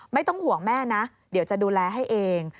ไม่ต้องห่วงแม่นะเดี๋ยวจะดูแลให้เอง